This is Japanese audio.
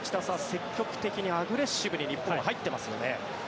積極的にアグレッシブに日本は入ってますよね。